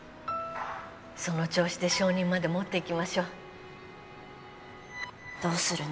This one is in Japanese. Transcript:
その調子で承認までもっていきましょうどうするの？